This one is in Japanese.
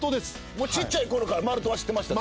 もう小っちゃい頃からマルトは知ってました？